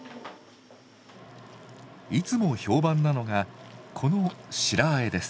いつも評判なのがこの白あえです。